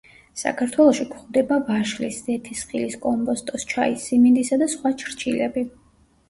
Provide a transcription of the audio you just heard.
საქართველოში გვხვდება ვაშლის, ზეთისხილის, კომბოსტოს, ჩაის, სიმინდისა და სხვა ჩრჩილები.